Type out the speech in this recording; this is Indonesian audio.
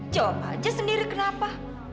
jawab aja sendiri kenapa